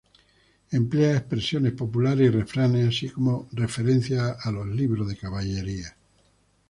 Emplea expresiones populares y refranes, así como referencias a los libros de caballerías.